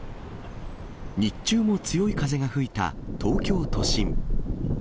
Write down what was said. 日中も強い風が吹いた東京都心。